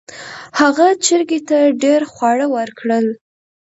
هغې چرګې ته ډیر خواړه ورکړل.